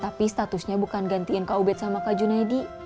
tapi statusnya bukan gantiin kak ubed sama kak junaidy